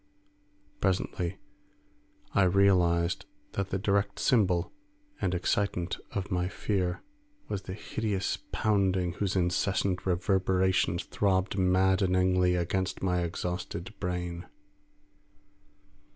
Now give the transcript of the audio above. Presently I realised that the direct symbol and excitant of my fear was the hideous pounding whose incessant reverberations throbbed maddeningly against my exhausted brain.